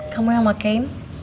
kamu yang mau kain